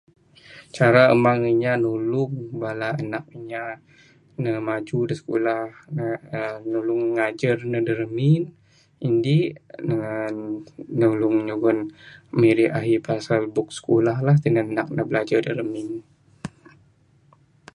Cara amang inya nulung bala anak inya ne maju da skulah ne uhh nulung ngajar ne da ramin. Indi' uhh nulung nyugon mirih ahi pasal book skulah lah. Tinan nak ne bilajar da ramin.